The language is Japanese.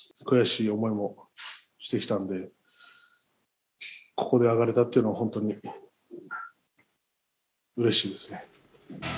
悔しい思いもしてきたんで、ここで上がれたっていうのは、本当にうれしいですね。